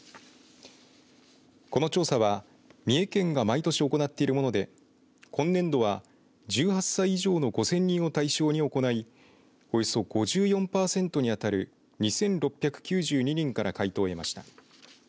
この調査は三重県が毎年行っているもので今年度は１８歳以上の５０００人を対象に行いおよそ５４パーセントに当たる２６９２人から回答を得ました。